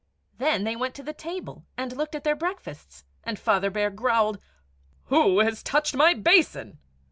Then they went to the table and looked at their breakfasts, and Father Bear growled, "WHO HAS TOUCHED MY BASIN?"